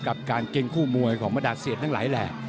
กับการเก่งคู่มวยของบรรดาเซียนทั้งหลายแหล่